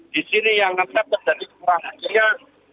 di sini yang ngetep terjadi kekurangan